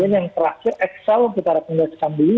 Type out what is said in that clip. yang terakhir excel kita rekomendasikan beli